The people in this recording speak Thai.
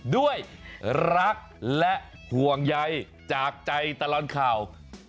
ด้วยรักและห่วงใยจากใจตลอดข่าว